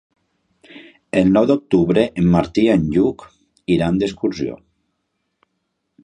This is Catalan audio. El nou d'octubre en Martí i en Lluc iran d'excursió.